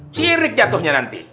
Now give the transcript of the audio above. cirit jatuhnya nanti